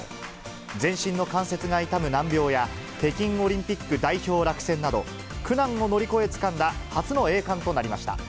全身の関節が痛む難病や、北京オリンピック代表落選など、苦難を乗り越えつかんだ初の栄冠となりました。